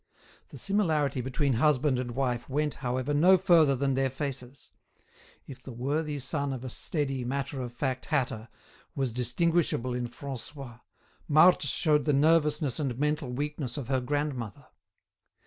The similarity between husband and wife went, however, no further than their faces; if the worthy son of a steady matter of fact hatter was distinguishable in Francois, Marthe showed the nervousness and mental weakness of her grandmother.